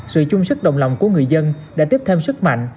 sự chung sức đồng lòng của người dân đã tiếp thêm sức mạnh